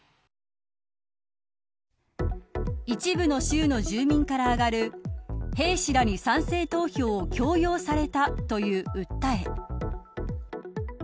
一部の州の住民から上がる兵士らに賛成投票を強要されたという訴え。